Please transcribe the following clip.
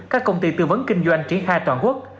các công ty tư vấn kinh doanh triển khai toàn quốc